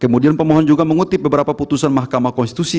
kemudian pemohon juga mengutip beberapa putusan mahkamah konstitusi